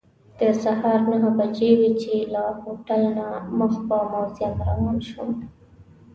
د سهار نهه بجې وې چې له هوټل نه مخ په موزیم روان شوم.